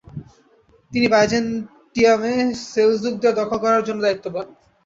তিনি বাইজেন্টিয়ামে সেলজুকদের দখল করার জন্য দায়িত্ব পান।